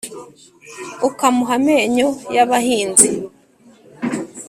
ukamuha amenyo y’abanzi